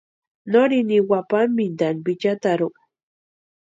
Norini niwa pámpitani Pichataru.